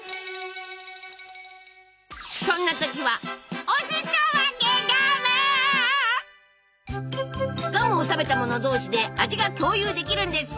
そんな時はガムを食べた者同士で味が共有できるんです！